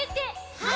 はい！